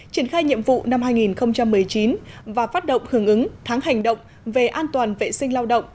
triển khai nhiệm vụ năm hai nghìn một mươi chín và phát động hưởng ứng tháng hành động về an toàn vệ sinh lao động